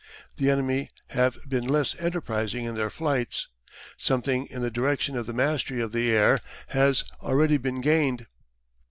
The enemy have been less enterprising in their flights. Something in the direction of the mastery of the air has already been gained."